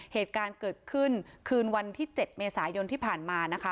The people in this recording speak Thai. เหตุการณ์เกิดขึ้นคืนวันที่๗เมษายนที่ผ่านมานะคะ